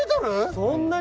そんなに？